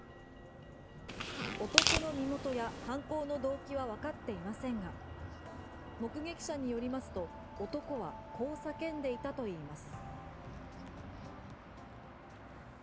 男の身元や犯行の動機はわかっていませんが目撃者によりますと男はこう叫んでいたといいます。